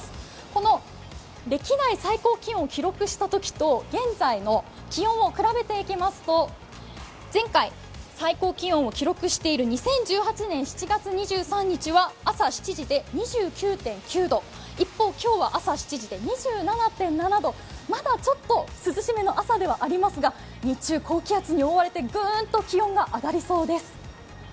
この歴代最高気温を記録したときと現在の気温を比べていきますと、前回、最高気温を記録している２０１８年７月２３日は朝７時で２９．９度、一方、今日は朝７時で２７．７度、まだちょっと涼しめの朝ではありますが、日中高気圧に覆われてグーンと気温が上がりそうです。